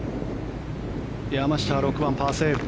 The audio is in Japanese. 山下は６番、パーセーブ。